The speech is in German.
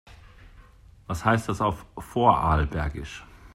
Was heißt das auf Vorarlbergisch?